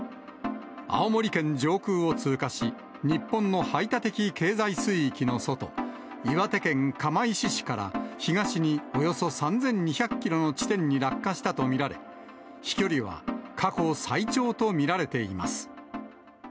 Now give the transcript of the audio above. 青森県上空を通過し、日本の排他的経済水域の外、岩手県釜石市から東におよそ３２００キロの地点に落下したと見られ、飛距離は過去最長と見られています。